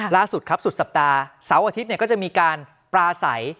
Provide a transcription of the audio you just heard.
ล่าสุดครับสุดสัปดาห์เสาร์อาทิตย์ก็จะมีการปลาใส